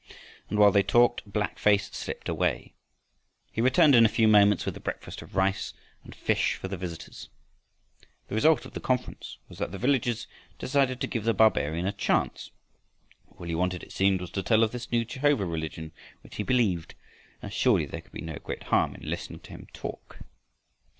And while they talked "Black face" slipped away. He returned in a few moments with a breakfast of rice and fish for the visitors. The result of the conference was that the villagers decided to give the barbarian a chance. All he wanted it seemed was to tell of this new Jehovah religion which he believed, and surely there could be no great harm in listening to him talk.